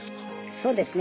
そうですね。